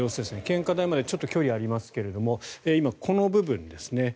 献花台までちょっと距離がありますけども今、この部分ですね。